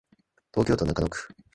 東京都中野区